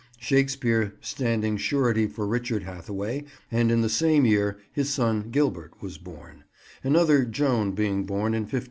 Shakespeare standing surety for Richard Hathaway; and in the same year his son Gilbert was born; another Joan being born in 1569.